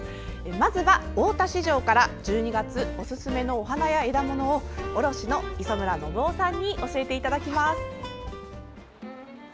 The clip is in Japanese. まず大田市場から１２月おすすめのお花や枝ものを卸の磯村信夫さんに教えていただきます。